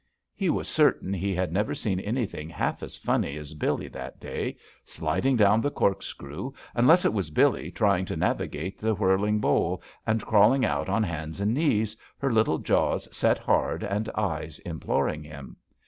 He was certain he had never seen anything half as funny as Billee that day, sliding down the "corkscrew," unless it was Billee trying to navigate the whirling bowl and crawling out on hands and knees, her little jaws set hard and eyes imploring him.